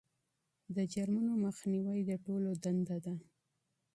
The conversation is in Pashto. د جرمونو مخنیوی د ټولو دنده ده.